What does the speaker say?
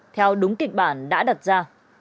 theo đúng kịch bản đã đặt ra